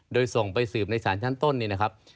โดยส่งไปสืบในสารชั้นต้นเนี่ยนะครับ